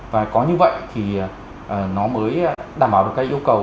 và có như vậy thì nó mới đảm bảo được các yêu cầu